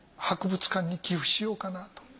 博物館に寄付しようかなと。